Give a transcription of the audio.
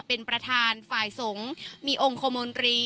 เป็นประธานฝ่ายสงฆ์มีองค์คมนตรี